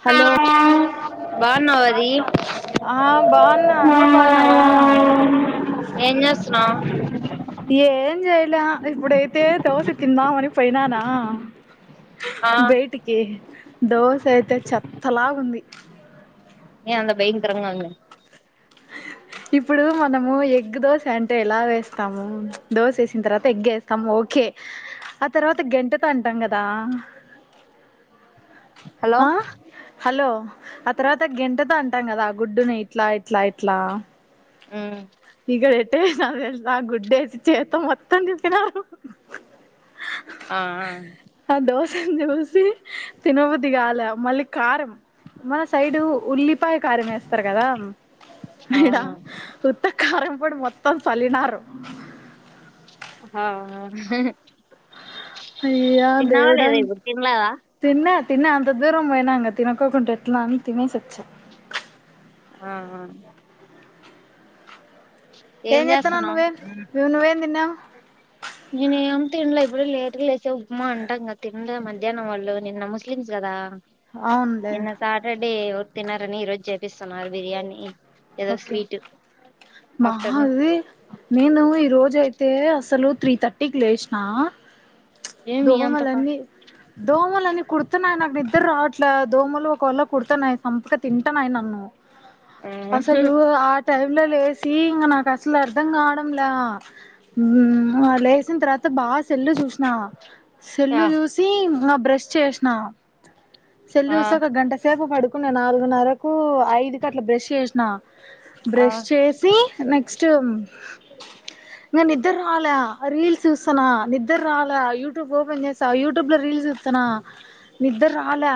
Hello బాణవది ఆ బాగున్నా నువ్వు బాగున్నావా ఏం చేస్తున్నావ్ ఏం చేయలే ఇప్పుడైతే తోసి తిందాం అని పోయినానా ఆ బేటికి దోశ అయితే చెత్తలాగ ఉంది ఏ అంత భైకరంగా ఉందా ఇప్పుడు మనము ఎగ్ దోశ అంటే ఎలా వేస్తాము దోశ వేసిన తర్వాత ఎగ్ వేస్తాము ఓకే ఆ తర్వాత గంటెతో అంటాం కదా హలో ఆ హలో ఆ తర్వాత గెంటతో అంటాం కదా ఆ గుడ్డుని ఇట్లా ఇట్లా ఇట్లా ఉమ్ ఇడ ఐతే నావ ఎ గుడ్డేసి చేత్తా మొత్తం చేస్తానరు ఆ దవసి తినబు మల్లి కారం మన సైడు ఉల్లి ఉపాయ కారం వేస్తారు కదా ఆ ఇడ అవును ఉత్త కారం పొడి మొత్తం మొత్తం చలినారు ఆ అయ్యా దేవుడాంగ్ ఇప్పుడు తినలేదా తిన్న తిన్న అంత దూరం పోయినా అంగ తినక కొంకంటే ఎట్లా తినేసచ్చ ఆ ఏం చేత్తన్నావ్ చేస్తాన్నా నువ్వేం నువ్వేం తిన్నావ్ నేను ఏ తనలే ఇప్పుడు లేటుగా లేసే ఉప్మా అంటాం కద తినల మధ్యాహ్నం వాళ్ళు నిన్న ముస్లిమ్స్ కదా అవునులే నిన్న సాటర్డే తినరని ఈ రోజు చేపిస్తున్నారు బిర్యానీ ఏదో స్వీట్ మాహా ఆఫ్టర్నూన్ అది నేను ఈ రోజ అయితే అసలు త్రీ థర్టీకి లేసిన ఏమి అంత ఫా దోమలన్నీ దోమలన్నీ కుడుతున్నాయి నాకు నిద్ద్ర రావట్లా దోమలు ఒకవళ్ళ కుడతనయి సంపక తింటాన్నాయి నన్ను అసలూ ఆ టైమ్ లో లేసి ఇంక నాకు అసలు అర్థం కావడంలా మ్ లేసిన తర్వాత బాగా సెల్లు చూసినా సెల్లు ఆ చూసి ఇంగ బ్రష్ చేస్నా ఆ సెల్లూసి ఒక గంట సేపు పడుకున్న నాలుగున్నరక్ ఓ ఐ ఐదు కి అట్ల బ్రష్ అ ఆ బ్రష్ చేసి నెక్స్ట్ నానిద్దరాలె రీల్స్ చూసునా నిద్ర రాలె యూట్యూబ్ యూట్యూబ్ లో రీల్స్ సూతున్నా నిద్దర్రాలె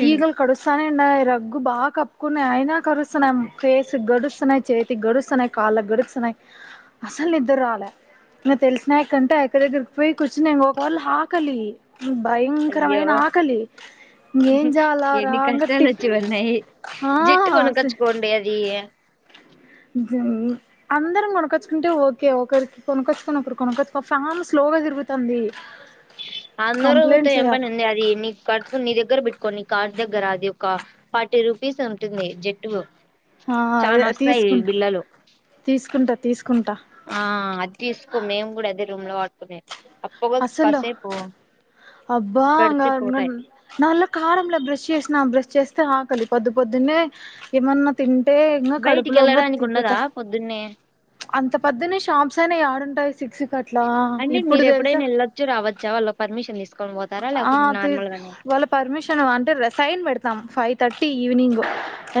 హ్మ్. ఈగల్ కరుసానేే రగ్గు బాగా కప్పుకున్న అయినా కరుస్తున్నాయ్ ఒక ఫేసుక్ గరుస్తున్నాయి చేతికి గరుస్తున్నాయి్ కాళ్ళకు గరుస్తున్నాయి అసలు నిద్దరాలే న తెలిసినా కంటే ఎక్కడి దగ్గరకి పోయి కూర్చుని ఇంక ఒకవళ్ళు ఆకలి అయ్యో భయంకరమైన ఆకలి ఇక ఏం చేలా ఎన్ని కష్టాలు రాంగట్టి వచ్చి ఉన్నాయి ఆ జట్టు కొనకచ్చుకోండి అది అందరం కొనక్కొచ్చుకుంటే ఓకే ఒకరికి కొనక్కొచ్చుకొని ఒకరు కొనక్కొచ్చు ఫ్యాన్ స్లోగా తిరుగుతాంది అందరు ఏం ఉంది అది నీ కర్పు నీ దగ్గర పెట్టుకోని కార్ దగ్గర అది ఒక ఫార్టీ రూపీస్ ఉంటుంది జట్టుకు హా అదే తీసుకుంట్ తీసుకుంటా తీసుకుంటా ఆ అద్ తీసుకొ మేము కూడా అదె రూమ్ లో వాడుకునే అప్పగా అసలు కాసేపు అబ్బా అంగ పెడితే పోతాయి నల్లకారంల బ్రెష్ చేసిన బ్రష్ చేెస్తే ఆకలి పొద్దు పొద్దున్నె ఏమన్న తి అంట్టే ఇకా బయటికి కడుపులో ఇం వెళ్ళడానికి ఉండదా తిపోతా పొద్దున్నే అంత పద్దిన్నె షాంసైన ఏడుంటాయి సిక్స్ కి అట్లా అంటె ఇప్పుడు మీరు ఎప్పుడైనా తెలుసా వెళ్ళొచ్చు రావచ్చా వాళ్ళ పర్మిషన్ ఇస్త్ ఆ వాళ్ళ పర్మిషన్ అంటె సైన్ పెడతాం ఫై థర్టీ ఈవినింగ్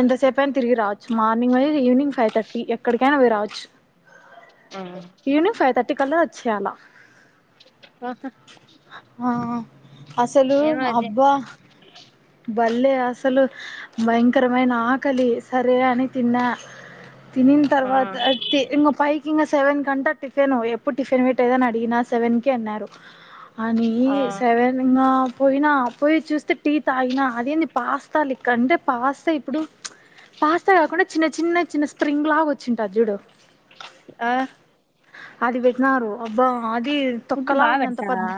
ఎంతసేపు అయినా తిరిగి రావచ్చ్ మార్నింగ్ వోయి ఈవినింగ్ ఫైవ్ థర్టీ ఎక్కడికైనా వెల్లి రావచ్చు ఆ యూనింగ్ ఫైత కల్లా ఒచ్చేయాలా ఆహా అసలు ఏమో అదే అబ్బా భలే అసలు భయంకరమైన ఆకలి సరే అని తిన్నా తినిన ఆ తర్వాత అ ఇం పైకి ఇంకా సెవెన్ కంటా టిఫిన్ ఎప్పుడు టిఫిన్ పెట్ అద అని అడిగినా సెవెన్ కి అన్నారు అని ఆ పోయినా పోయి చూస్తే టీ తాగిన అదేంది పాస్తా పాస్తా ఇప్పుడు పాస్తా కాకుండా చిన్న చిన్న చిన్న స్ప్రింగ్ లాగా వచ్చింట జుడు ఆ అది పెట్టినారు అబ్బా అది ఫుడ్ తొక్కలా బాగా ఉంది అంత పెడతారా పెద్ద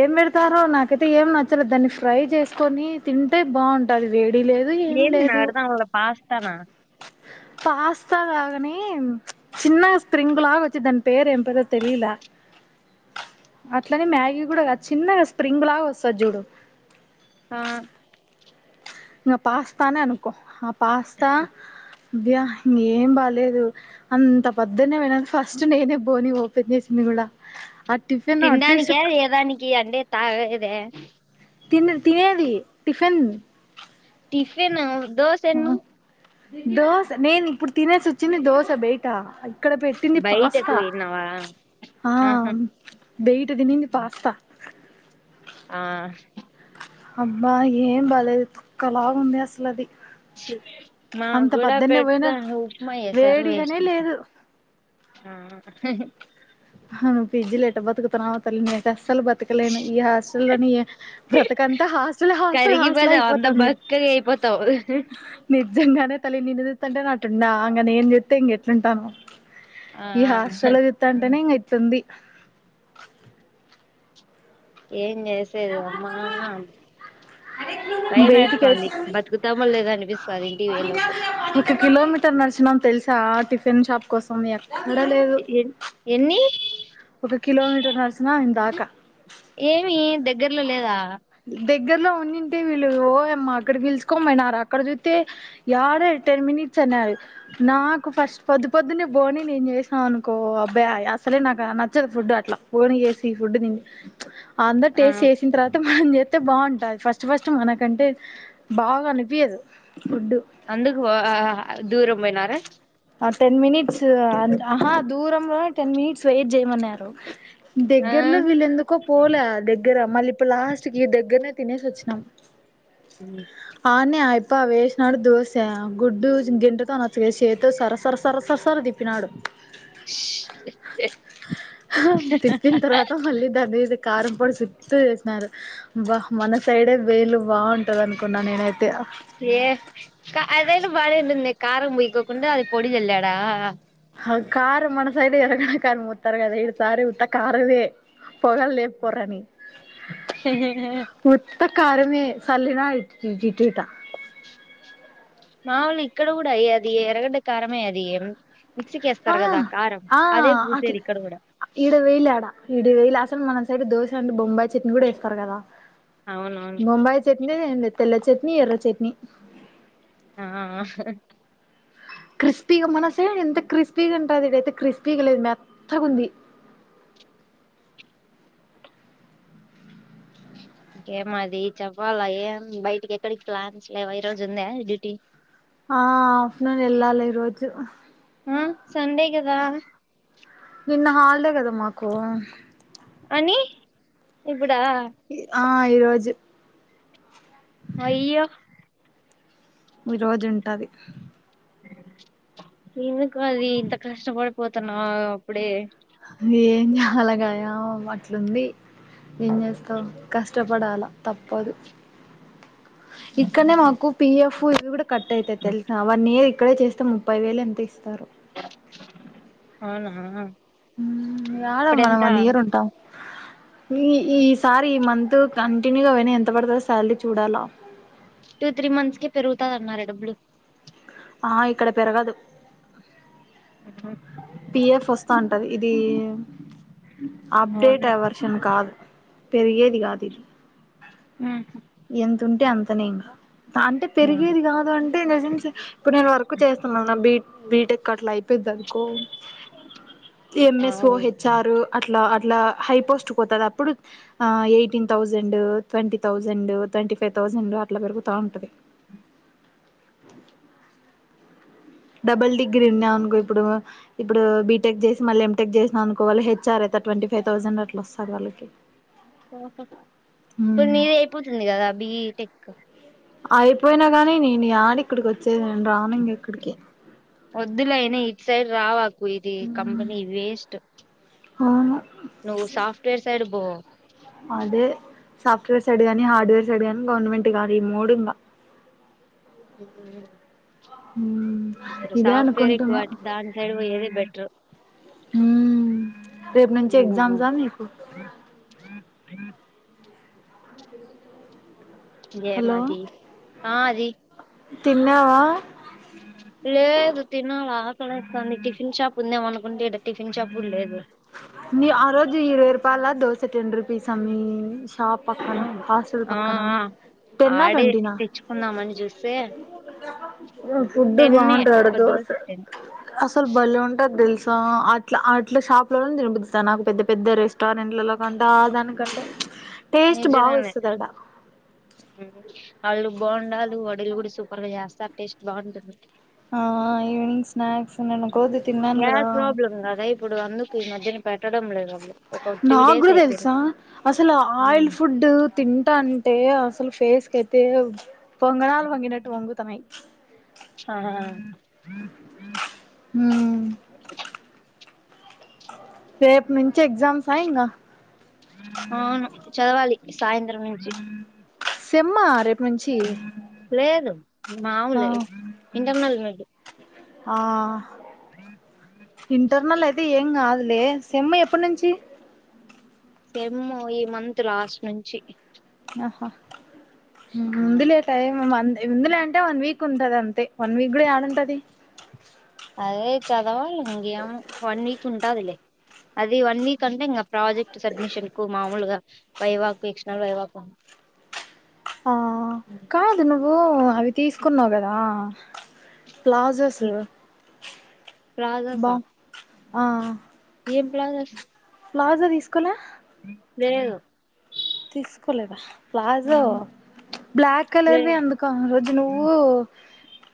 ఏం పెడతారో నాకైతే ఏం నచ్చలేదు దాన్ని ఫ్రై చేసుకొని తింటే బాగుంటది వే ఏమి తిన్నారు అర్థం అవ్వాలే పాస్తా నా పాస్తా కాగానే చిన్న స్ప్రింగిలాగా వచ్చి దని పేరు ఏం పేరు తెలిలే అట్లనే మ్యాగీ కూడా చిన్నగా స్ప్రింగ్ లాగా వస్తుంది చూడు ఆ ఇ పాస్తా నే అని అనుకో పాస్తా అద్యా ఇంకేం బాలలేదు అంత పొద్దునే పోయిన ఫస్ట్ నేనే బోని ఓపెన్ చేసింది కూడా టిఫిన్ అట్లీస్ట్ తినడానికే ఏదానికి అంటే తాగదే తిన తినేది టిఫిన్ టిఫెన్ దోస ఎన్న దోస నేను ఇప్పుడు తినేసి వచ్చింది దోశ బయట ఇక్కడ పెట్టింది బయటకు పాస్తా పోయినావా ఆ ఆహా బయట తినింది పాస్తా ఆ అబ్బ ఏం బలేదు ఒక్కలాగా ఉంది అసలు అది ఛీ, మాకు అంత కూడా పద్దన్న పోయిన పెడతా ఉప్మా చేశారు వేడిగానే వేస్ట్ లేదు ఆ హీహే నను ఫిజీ లేెట బతుకుతున్నావా తల్ అసలు బ్రతకలేను ఈ హాస్టల్ లోని బ్రతకంతా హాస్టల్ హాస్టల్ హాస్టల్ కరిగిపోతావు అంత అయిపోతుంది బక్కగా అయిపోతావు నిజంగా తల్లి నిన్నదిస్తుంటే నాటుండ ఇం నేను చెస్తతే ఇంక ఎట్లుంటనో ఆ హా అంటనే ఇంగ ఇంట్తుంది ఏ చేసేది అమ్మా భయం వేస్తాంది బయటికైతే బతుకుతామో లేద అనిపిస్తాంది ఇంటివలోపు ఇ నడిచినాం తెలుసా టిఫిన్ షాప్ కోసం మీ అక్క ఎ ఎన్ని ఒక కిమటర్ నరిచిన ఇందాక ఏమి దగ్గరలో లేదా దగ్గరలో ఉన్నింటే వీళ్లు వో యమ్మ అక్కడికి విలుసుకొని పోయినారు అక్కడ జూతే యాడ టెన్ మినిట్స్ అన్నారు నాకు ఫస్ట్ పొద్దు పొద్దునే బోనీ నెన్ జేసిన అనుకో అబ్బే అస్సలే నాక్ ఆ నచ్చదు ఫుడ్ అట్లా బోనీ జెసి ఫుడ్ తిన్ అందరు ఆ టేస్ట్ చేసిన తర్వాత చేస్తే బాగుంటుది ఫస్ట్ ఫస్ట్ మనకంటే బాగా అనిపియ్యదు అందుకు వో ఆ ఆ దూరం పోయిన అే ఆ టెన్ మినిట్స్ ఆ ఆహా దూరంలో టెన్ మినిట్స్ వెయిట్ చేయమన్నారు ఆ దగ్గర్లో వీళ్ళెందుకో పోలే ద దగ్గర మళ్ళీ ఇప్పు లాస్ట్ క దగ్గరనే తినేసి వచ్చినాం అ పావేష్నాడు దోస గుడ్డు గంటతో అనచ్చు సర సర సర సర్ సర్ దిప్పినాడు తిప్పిన తర్వాత మళ్ళీ దాంధి కారం పొడి సుత్తు చేసినారు బా మన సైడే వేలు బాగుంటది అని ఏ అదైను బాళ నుంది కారం బయకోకుండా అది పొడి వెల్ళాడా కారు మన సైడ్ ఎరగడ కని మత్తారు కదా ఏడు సారి మత కారుదే పొగలు లేపుకోరని హే హే త కరమే సళ్ళిన ఇటీ ఇటా మా వాళ్ళు ఇక్కడ కూడా అయ్య అది ఎరగడ్డ కారమే అది ఎ ఆ ఆ అట్లా పూసేది ఇక్కడ కూడా ఇడ వెేయిలేడా ఆడ ఈడ వెేయిలే అసలు మన సైడ్ దోశ అంట బొంబాయి చట్నీ కూడాేస్తారు కదా అవునవును ముంబై చట్నీ ఏం లేద్ తెల్ల చట్నీ ఎర్ర చట్నీ ఆ క్రిస్పీగా మనసే ఎంత క్రిస్పీగా ఉంటది ఇది అయితే క్రిస్పీగా లేదు మెత్తగుంది ఇంకేమది చెప్పాలా ఏ బయటికి ఎక్కడికి ప్లాన్స్ లేవు ఈ రోజు ఉంద డ్యూటీ ఆ ఆఫ్టర్నూన్ వెళ్ళాలి ఈ రోజు ఆ సండే కదా నిన్న హాలిడే కదా మాకు అని ఇప్పుడా ఆ ఈరోజు అ అయ్యో ఈ రోజు ఉంటది ఎందుకు రా ఇది ఇంత కష్టపడిపోతున్నావ్ అప్పుడే అలగాయామం అట్లుంది ఏం చేస్తావు కష్టపడాలా తప్పదు ఇక్కన్నే మాకు పిఎఫ్ ఇవిడ కట్ అయితే తెలుసా వన్ ఇయర్ ఇక్కడే చేస్తే ముప్పై వేలు ఎంత ఇస్తారు ఆ మ్ రాాల మనం వన్ ఇయర్ ఉంటాం ఈ ఈసారి ఈ మంత్ కంటిన్యూగనే ఎంత వరకు శాలరీ చూడాలా టూ త్రీ మంత్స్ కి పెరుగుతందన్నారా డబ్బులు ఆ ఇక్కడ పెరగదు మ్ పిఎఫ్ వస్తా ఉంటది ఇది అప్డేట అవునా వర్షన్ కాదు పెరిగేద్ గా దిది ఎంతుంటే అంతనే ఇంకా అంటే నా పెరిగేది కాదు అంటే నిజంచే ఇప్పుడు నేను వర్కు చేస్తున్నాను నా బీ బీటెక్ అట్లాయ్ పెద్దనుకో ఎంఎస్ ఓ అవు హెచ్ఆర్ అట్లా ఆన్ ఇలా హైపోస్ట్ కొట్టటప్పుడు ఆ ఎయిటిన్ థౌసండ్ ట్వంటీ థౌసండ్ రెండు ట్వంటీఫైవ్ థౌసండ్ అట్లా పెరుగుతా ఉంటది డబుల్ డిగ్రీ ఉన్నా అనుకో ఇప్పుడు ఇప్పుడు బీటెక్ జెసి మళ్ళీ ఎంటెక్ జెసినా అనుకో వాళ్ళు హెచ్ఆర్ అయితే ట్వంటీ ఫైవ్ థౌసండ్ అట్లా వస్థాయి వాళ్ళకి హ హ ఇప్పుడు నీదె అయిపోతుంది కదా బిటెక్ అయిపోయినా కాని ని నే యాడికి ఇక్కడికి వచ్చేదియ్ నేన్ రాన్నిన్ ఎక్కడికి వద్దులైనా ఇటు సైడ్ రావాలి ఇది కంపెనీ వేస్ట్ అవును నువ్వు సాఫ్ట్వేర్ సైడు బ అదే సాఫ్ట్వేర్ సైడ్ గాని హార్డ్వేర్ సైడ్ గాని గవర్నమెంట్ కాదు ఈ మూడు ఇంగా మ్ ఇదే సాఫ్ట్ వైరే ఎక్కువ దాని సైడ్ పోయ్యేదె బెట్రూ మ్ రేపు నుంచి ఎగ్జామ్సా మీకు మ్ ఏయం హలో మాది ఆ అది తిన్నావా లేదు తిన్నావా ఆహా నీ టిఫిన్ షాప్ ఉందేమో అనుకుంటే, ఈడ టిఫిన్ షాప్ కూడా లేదు. నీ ఆ రోజు ఇరవై రూపాయల దోస టెన్ రుపీస్ అమ్మి షాప్ పక్కన అవును హాస్టల్ ఆ పక్కన ఆ టెన్ నా ఆడే ట్వంటీ నా తెచ్చుకుందామని చూస్తే ఫుడ్డు టెన్నే బాగుంటది. ఒక దోస దోశ టెన్ అస్సలు భలే ఉంటది తెలుసు. ఆ అట్లా అట్లా షాప్ ఏం తినిపిస్తాను. నాకు పెద్ద పెద్ద రెస్టారెంట్లో కంటే దానికంటే టేస్ట్ బాగా నిజగానే వస్తది ఆడ వాళ్ళు బొండాలు, వడలు కూడా సూపర్ గా చేస్తారు టేస్ట్ బాగుంటుంది. ఆ ఈవినింగ్ స్నాక్స్ నిను కొది తిన్నాను కదా. గ్యాస్ ప్రాబ్లం కదా ఇప్పుడు అందుకు ఈ మధ్యన పెట్టడం లేదు వాళ్ళు ఒక త్రీ నాకు డేస్ కూడా అయిపోయింది తెలుసా అసలు ఆయిల్ ఉమ్. ఫుడ్ తింటా అంటే అసలు ఫేస్ కతే పొంగనాలు పొంగినట్టు వంగుతినాయు ఆ [unintelligible] [unintelligible] రేపు నుంచి ఎగ్జామ్స్ ఇంగా. అవును చదవాలి సాయంత్రం నుంచి. సెమ్మా రేపు నుంచి లేదు. ఆ మావులే ఇంటర్నల్ పెట్టు ఆ ఇంటర్నల్ అయితే ఏం కాదు. లే సెమ్ము ఎప్పుడు నుంచి సెమ్ము ఈ మంత్ లాస్ట్ నుంచి. ఆహా ఆ, ఉందిలే టైం మంది ఇందులే అంటే వన్ వీక్ ఉంటది. అంతే వన్ వీక్ కూడా ఎడుంటది. అదే చదవాలి ఇ వన్ వీక్ ఉంటాదిలే అది వన్ వీక్ అంటే ఇంకా ప్రాజెక్ట్ సడ్మిషన్ కు మామూలుగా వైవాకు ఎక్షన వైవాక్ [unintelligible] ఆ కాదు ను నువ్వు అవి తీసుకున్నావు కదా ప్లాజసు బా ప్లాజాసా ఆ ఏం ప్లాజర్స్ ప్లాజా తీసుకోలే లేదు తీసుకోలేదా ప్లాజో బ్లాక్ లే కలర్వి అందుక ఆ రోజు నువ్వు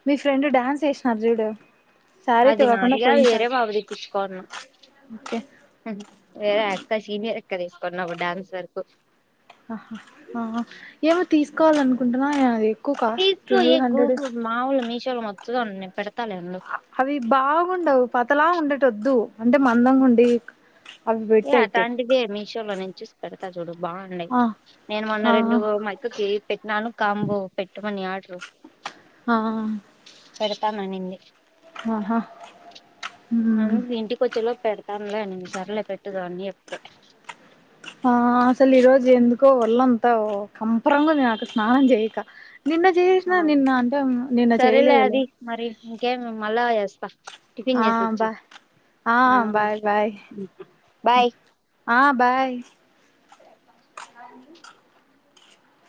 మీ ఫ్రెండ్ డాన్స్ చెసినారు చూడు శారీ అది తెవకుండా నాదిగాది పోయినసారి వేరే పాప ఇప్పించుకోన్న ఓకే వేరే అక్క సీనియర్ [unintelligible] తీసుకున్నా డాన్స్ వరకు ఆ ఏమో తీసుకోవాలనుకో కుంటున్నా అది ఎక్కువ కాస్ట్ తీస్కో ట్వెల్వ్ ఏ హండ్రెడ్ గపు మాముూలు మీషోల్ మొత్త ఉన్నాయి పేడ్ అవి బాగు ఉండవు పతలా ఉండేటివి వద్దు అంటే మందంగా ఉండి అవి పెట్టు ఏయా అయితే ఆటంటివే మీషోలోంచి చూసి పెడతా చూ చూడు బాగున్నాయి ఆ నేను మొన్న ఆ రెండు మా అక్కకి పెట్టినాను కంబో పెట్టమని ఆర్డర్ ఆ పెడతాను అనింది ఆహా హ్మ్ అందుకు ఇంటికొచ్చేలోపు పెడతానులే అనింది సర్లే పెట్ [unintelligible] చెప్పతే ఆ అసలు ఈ రోజు ఎందుకో వళ్ళంత కంపరంగ నాకు స్నానం చేయక నిన్న చేసిన ఆ నిన్న అంటే నిన్న సరేలే చేయలేదులే అది మరి ఇంకేం మళ్ళా చేే పస్ ఆ బాయ్ ఆ బాయ్ బాయ్ బాయ్ ఆ బాయ్